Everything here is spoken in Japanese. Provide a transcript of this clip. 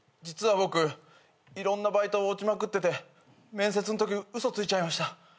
実は僕いろんなバイト落ちまくってて面接のとき嘘ついちゃいました。